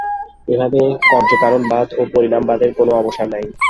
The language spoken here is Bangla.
এইভাবে কার্যকারণবাদ ও পরিণামবাদের কোন অবসর নাই।